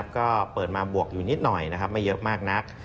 ก็เปิดมาบวกอยู่นิดหน่อยนะครับไม่เยอะมากนัก